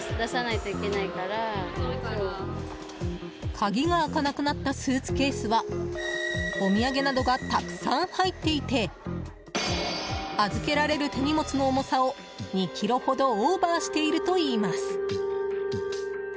鍵が開かなくなったスーツケースはお土産などがたくさん入っていて預けられる手荷物の重さを２ｋｇほどオーバーしているといいます。